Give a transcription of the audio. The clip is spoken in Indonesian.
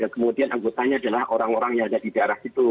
kemudian anggotanya adalah orang orang yang ada di daerah situ